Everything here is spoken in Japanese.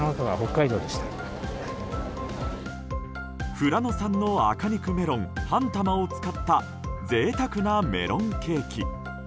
富良野産の赤肉メロン半玉を使った贅沢なメロンケーキ。